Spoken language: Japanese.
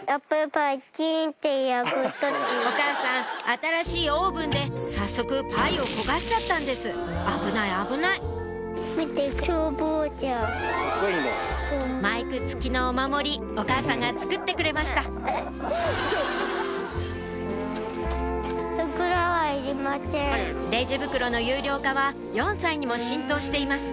お母さん新しいオーブンで早速パイを焦がしちゃったんです危ない危ないマイク付きのお守りお母さんが作ってくれましたレジ袋の有料化は４歳にも浸透しています